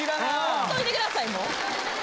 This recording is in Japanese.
ほっといて下さいもう！